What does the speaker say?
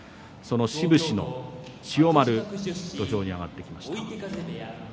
志布志の千代丸が土俵に上がってきました。